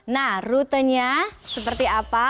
nah rutenya seperti apa